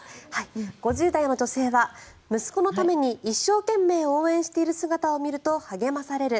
５０代の女性は息子のために一生懸命応援している姿を見ると励まされる。